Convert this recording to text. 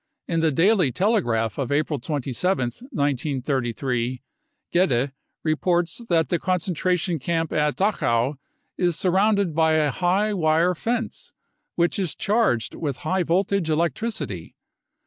In the Daily Telegraph of April 127th, 1933, Geyde reports that the concentration camp at Dachau is surrounded by a high wire fence which is charged with high voltage electricity.